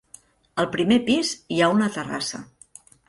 Al primer pis hi ha una terrassa.